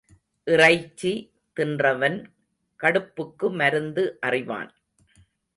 இறைச்சி தின்றவன் கடுப்புக்கு மருந்து அறிவான்.